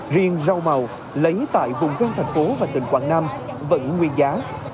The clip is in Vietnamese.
riêng rau màu lấy tại vùng dân thành phố và tỉnh quảng nam vẫn nguyên giá